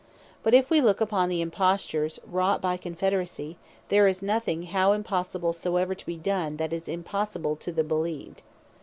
But if we looke upon the Impostures wrought by Confederacy, there is nothing how impossible soever to be done, that is impossible to bee beleeved.